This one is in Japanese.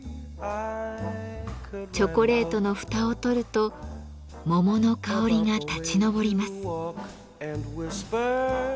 チョコレートの蓋を取ると桃の香りが立ち上ります。